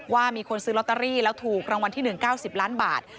ว่ามีคนซื้อลอตเตอรี่แล้วถูกรางวัลที่๑๙๐ล้านบาท